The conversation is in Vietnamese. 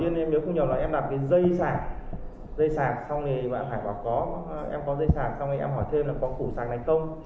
nếu không nhầm là em đặt cái dây sạc dây sạc xong thì bạn phải bảo có em có dây sạc xong thì em hỏi thêm là có củ sạc này không